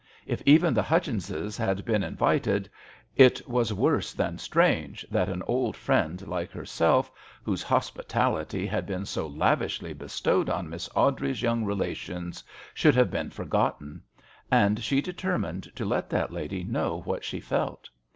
If even the Hutchinses had been invited, it was worse than strange that an old friend like herself, whose hospitality had been so lavishly bestowed on Miss Awdrey's young relations, should have been forgotten ; and she de termined to let that lady know what she felt.